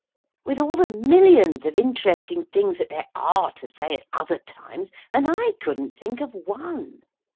With all the millions of interesting things that there are to say at other times, and I couldn't think of one.